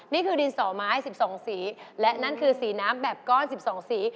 นี่คือดินสอไม้๑๒สีและนั่นคือสีน้ำแบบก้อน๑๒สี